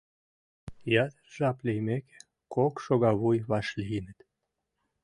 Ятыр жап лиймеке, кок шогавуй вашлийыныт.